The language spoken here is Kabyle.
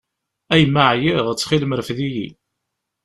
A yemma ɛyiɣ, ttxil-m rfed-iyi!